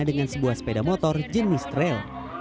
dengan sebuah sepeda motor jenis trail